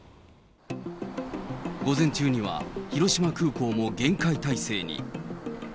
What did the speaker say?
午前中には、広島空港も厳戒態勢に。